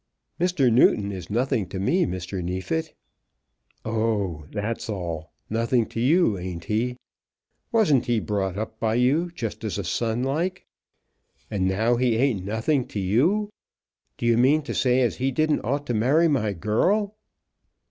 "Mr. Newton is nothing to me, Mr. Neefit." "Oh; that's all. Nothing to you, ain't he? Wasn't he brought up by you just as a son like? And now he ain't nothing to you! Do you mean to say as he didn't ought to marry my girl?"